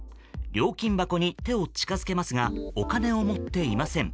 料金箱に手を近づけますがお金を持っていません。